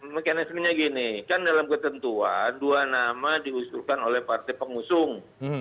mekanismenya gini kan dalam ketentuan dua nama diusulkan oleh partai pengusung